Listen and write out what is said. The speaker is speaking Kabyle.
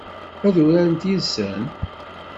Ad urarent yid-sen?